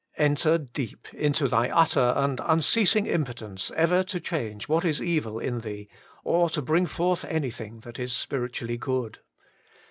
Enter deep into thy utter and unceas ing impotence ever to change what is evil in thee, or to bring forth anything that is spiritu ally good.